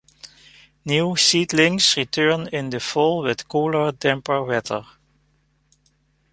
New seedlings return in the fall with cooler, damper weather.